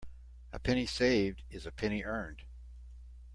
A penny saved is a penny earned.